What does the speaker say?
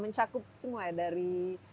mencakup semua ya dari